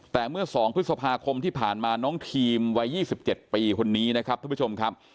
แต่เมื่อ๒พฤษภาคมที่ผ่านมาน้องทีมวัย๒๗ปีคนนี้นะครับท่านผู้ชมครับ